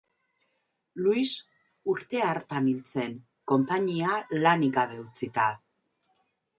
Luis urte hartan hil zen konpainia lanik gabe utzita.